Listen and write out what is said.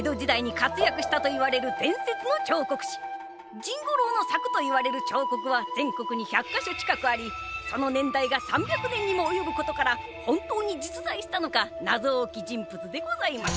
甚五郎の作といわれる彫刻は全国に１００か所近くありその年代が３００年にも及ぶことから本当に実在したのか謎多き人物でございます。